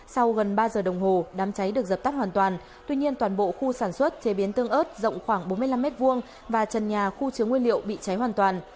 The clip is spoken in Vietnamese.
sau gần ba giờ đồng hồ đám cháy được dập tắt hoàn toàn tuy nhiên toàn bộ khu sản xuất chế biến tương ớt rộng khoảng bốn mươi năm m hai và trần nhà khu chứa nguyên liệu bị cháy hoàn toàn